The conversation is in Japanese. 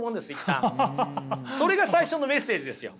それが最初のメッセージですよ。